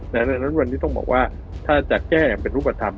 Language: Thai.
ดังนั้นวันนี้ต้องบอกว่าถ้าจะแก้อย่างเป็นรูปธรรม